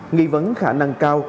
nghĩ vẫn khả năng cao